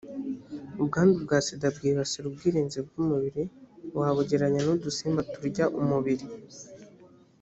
ubwandu bwa sida bwibasira ubwirinzi bw umubiri wabugereranya n’udusimba turya umubiri